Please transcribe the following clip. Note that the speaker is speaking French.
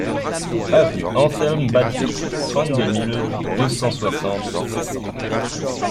Avenue Anselme Batbie, trente-deux mille deux cent soixante Seissan